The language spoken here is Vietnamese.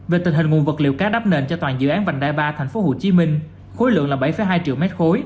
về tình hình nguồn vật liệu cá đắp nền cho toàn dự án vành đai ba tp hcm khối lượng là bảy hai triệu m ba